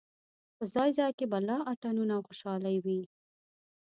په ځای ځای کې به لا اتڼونه او خوشالۍ وې.